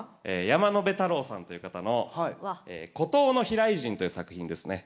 山野辺太郎さんという方の「孤島の飛来人」という作品ですね。